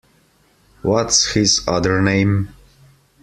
What’s his other name?